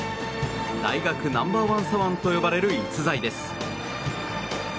大学ナンバーワン左腕と呼ばれる逸材です。